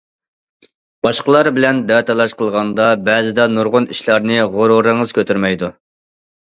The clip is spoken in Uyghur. باشقىلار بىلەن دە- تالاش قىلغاندا بەزىدە نۇرغۇن ئىشلارنى غۇرۇرىڭىز كۆتۈرمەيدۇ.